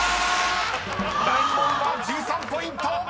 ［第２問は１３ポイント］